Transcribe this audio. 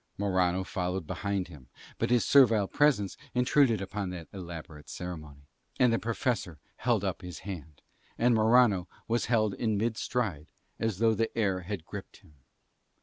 Morano followed behind him; but his servile presence intruded upon that elaborate ceremony, and the Professor held up his hand, and Morano was held in mid stride as though the air had gripped him.